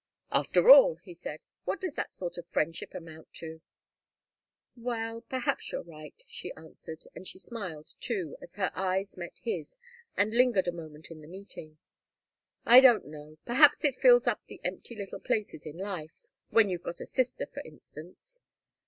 "After all," he said, "what does that sort of friendship amount to?" "Well perhaps you're right," she answered, and she smiled, too, as her eyes met his, and lingered a moment in the meeting. "I don't know perhaps it fills up the little empty places in life when you've got a sister, for instance.